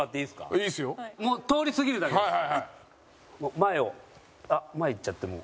前を前行っちゃってもう。